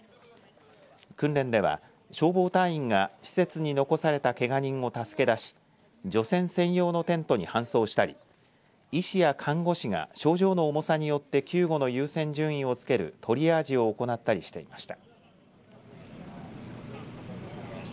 訓練では消防隊員が施設に残されたけが人を助け出し除染専用のテントに搬送したり医師や看護師が症状の重さによって救護の優先順位をつけるトリアージを行ったりしていました。